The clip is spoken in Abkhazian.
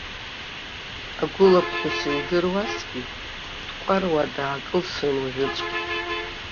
Агәылаԥҳәыс илдыруазҭгьы, дкәаруа даакылсрын уажәыҵәҟьа.